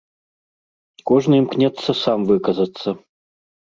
Кожны імкнецца сам выказацца.